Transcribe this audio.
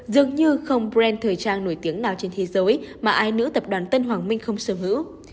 dường như không brand thời trang nổi tiếng nào trên thế giới mà ai nữ tập đoàn tân hoàng minh không sở hữu